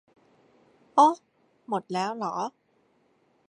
โอ้ ทั้งหมดแล้วหรอ